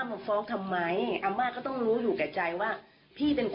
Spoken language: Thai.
อยู่กันมาต้อง๕๐ปีมาขึ้นศาลรึใช่เหรอ